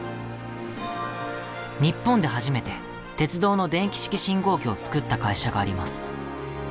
日本で初めて鉄道の電気式信号機を作った会社があります。